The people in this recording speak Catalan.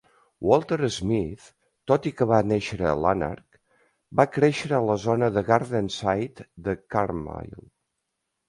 Walter Smith, tot i que va néixer a Lanark, va créixer a la zona de Gardenside de Carmyle.